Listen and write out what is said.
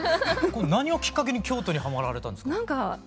何をきっかけに京都にハマられたんですか？